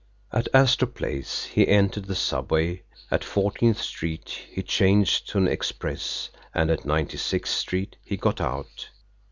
At Astor Place he entered the subway; at Fourteenth Street he changed to an express, and at Ninety sixth Street he got out.